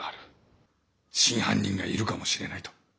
真犯人がいるかもしれないと。